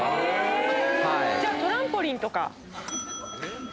じゃあトランポリンとか？